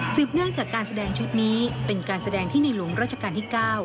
เนื่องจากการแสดงชุดนี้เป็นการแสดงที่ในหลวงราชการที่๙